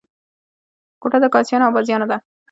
کوټه د کاسيانو او بازیانو ده.